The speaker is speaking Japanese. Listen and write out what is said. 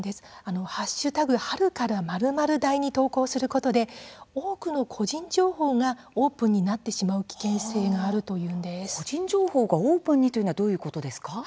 春から○○大に投稿することで多くの個人情報がオープンになってしまう危険性が個人情報がオープンにというのはどういうことですか。